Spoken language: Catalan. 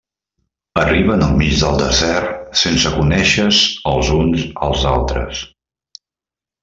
Arriben al mig del desert sense conèixer-se els uns als altres.